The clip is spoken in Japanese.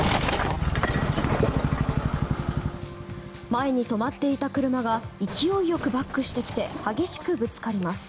前に止まっていた車が勢いよくバックしてきて激しくぶつかります。